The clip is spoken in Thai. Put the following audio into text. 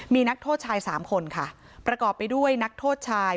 มีนักโทษชายสามคนค่ะประกอบไปด้วยนักโทษชาย